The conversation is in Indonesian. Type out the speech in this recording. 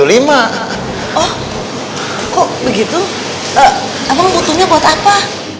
emang butuhnya buat apa